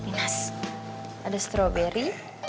minas ada strawberry